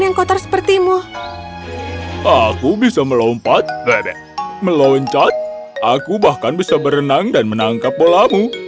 aku bisa melompat meluncat aku bahkan bisa berenang dan menangkap bolamu